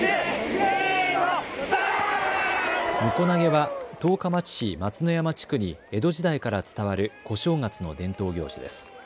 むこ投げは十日町市松之山地区に江戸時代から伝わる小正月の伝統行事です。